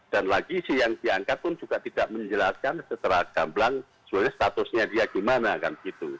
dan lagi si yang diangkat pun juga tidak menjelaskan setelah gamblang sebetulnya statusnya dia gimana kan gitu